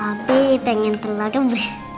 abi pengen telur rebus